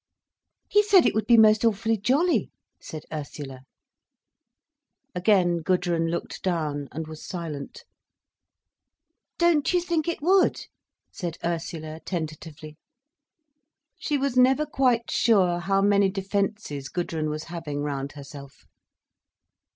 "He said it would be most awfully jolly," said Ursula. Again Gudrun looked down, and was silent. "Don't you think it would?" said Ursula, tentatively. She was never quite sure how many defences Gudrun was having round herself.